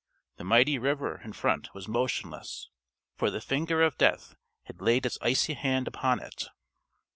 The mighty river in front was motionless, for the finger of Death had laid its icy hand upon it.